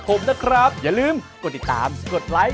สวัสดีครับ